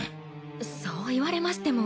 そう言われましても。